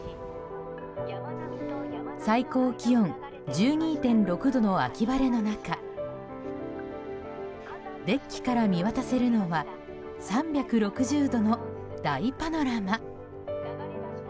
最高気温１２．６度の秋晴れの中デッキから見渡せるのは３６０度の大パノラマ。